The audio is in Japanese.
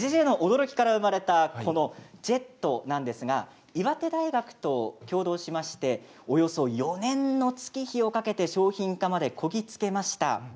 な驚きから生まれたジェットなんですが岩手大学と共同しましておよそ４年の月日をかけて商品化まで、こぎ着けました。